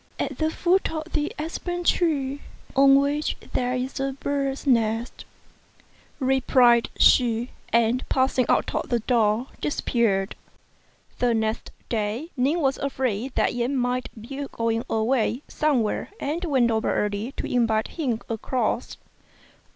"At the foot of the aspen tree on which there is a bird's nest," replied she ; and passing out of the door, disappeared. The next day Ning was afraid that Yen might be going away some where, and went over early to invite him across.